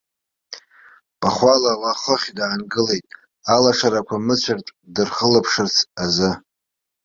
Пахәала уа хыхь даангылеит, алашарақәа мыцәартә дырхылаԥшырц азы.